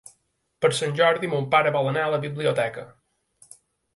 Per Sant Jordi mon pare vol anar a la biblioteca.